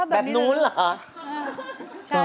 แบบนู้นเหรอ